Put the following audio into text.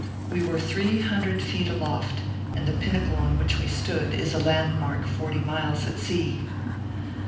We were three hundred feet aloft, and the pinnacle on which we stood is a landmark forty miles at sea.